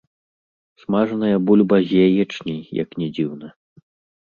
Смажаная бульба з яечняй, як ні дзіўна.